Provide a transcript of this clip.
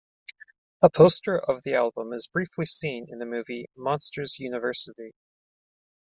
A poster of the album is briefly seen in the movie "Monsters University".